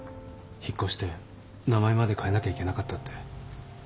引っ越して名前まで変えなきゃいけなかったって。